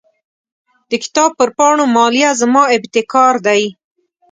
د کتاب پر پاڼو مالیه زما ابتکار دی.